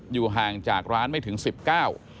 อยู่ห่างจากร้านไม่ถึงสิบเก้า